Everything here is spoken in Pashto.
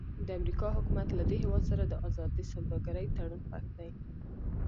د امریکا حکومت له دې هېواد سره د ازادې سوداګرۍ تړون خوښ دی.